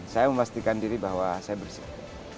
saya memastikan diri bahwa saya bersih